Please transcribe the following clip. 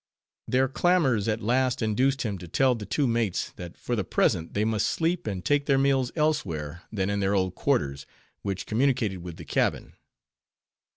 Their clamors at last induced him to tell the two mates, that for the present they must sleep and take their meals elsewhere than in their old quarters, which communicated with the cabin.